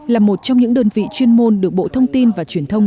là một trong những đơn vị chuyên môn được bộ thông tin và truyền thông